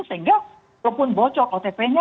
sehingga walaupun bocok otp nya